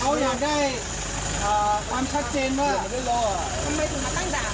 เขาอยากได้อ่าความชัดเจนว่าทำไมถึงมาตั้งด่าน